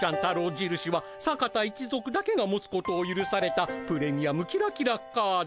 じるしは坂田一族だけが持つことをゆるされたプレミアムキラキラカード。